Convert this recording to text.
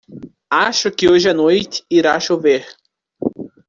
Acho que hoje a noite irá chover